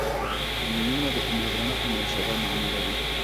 • ځینې نومونه د امید، رڼا او نوې سبا معنا لري.